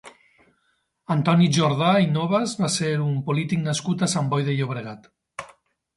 Antoni Jordà i Novas va ser un polític nascut a Sant Boi de Llobregat.